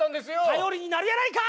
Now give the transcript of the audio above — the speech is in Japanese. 頼りになるやないか！